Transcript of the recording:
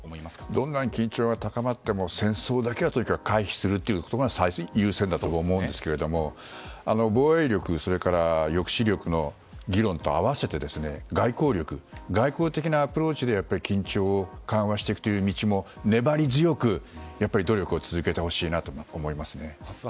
どんなに緊張が高まっても戦争だけはとにかく回避することが優先だと思いますが防衛力、それから抑止力の議論と併せて外交力、外交的なアプローチで緊張を緩和していく道も粘り強く努力を続けてほしいなと思います。